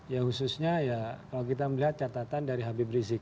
ya khususnya ya kalau kita melihat catatan dari habib rizik